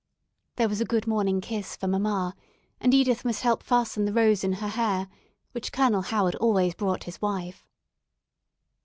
There was a "good morning kiss" for mamma, and Edith must help to fasten the rose in her hair, which Colonel Howard always brought his wife.